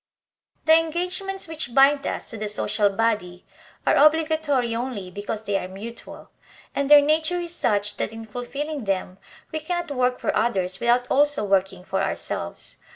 The engagements which bind us to the social body are obligatory only because they are mutual; and their nature is such that in fulfilling them we cannot work for others without also working for ourselves.